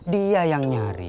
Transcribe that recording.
dia yang nyari